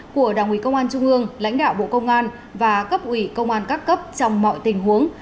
của đảng ủy công an trung ương lãnh đạo bộ công an và cấp ủy công an các cấp trong mọi tình huống